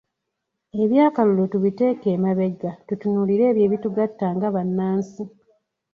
Eby'akalulu tubiteeke emabega tutunuulire ebyo ebitugatta nga bannansi.